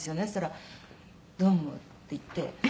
「そしたら“どうも”って言って。